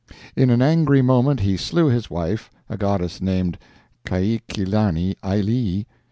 In an angry moment he slew his wife, a goddess named Kaikilani Alii.